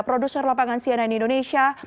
producer lapangan cnn indonesia